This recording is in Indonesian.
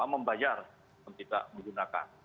membayar untuk tidak menggunakan